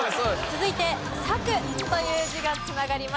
続いて「作」という字が繋がります。